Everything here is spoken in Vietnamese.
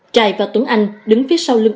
trài và tuấn anh đứng phía sau lưng ông